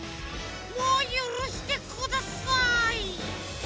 もうゆるしてください。